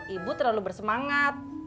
ibu terlalu bersemangat